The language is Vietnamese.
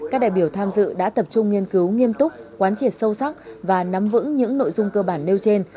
các đại biểu tham dự đã tập trung nghiên cứu nghiêm túc quán triệt sâu sắc và nắm vững những nội dung cơ bản nêu trên